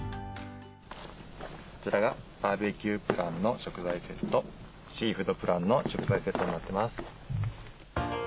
こちらがバーベキュープランの食材セット、シーフードプランの食材セットになっています。